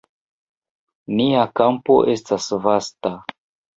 Nia kampo estas vasta.